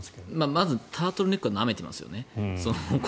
まず、タートルネックはなめてますよね。